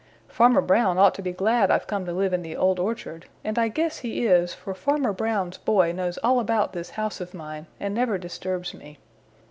Farmer Brown ought to be glad I've come to live in the Old Orchard and I guess he is, for Farmer Brown's boy knows all about this house of mine and never disturbs me.